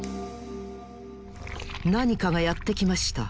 なにかがやってきました。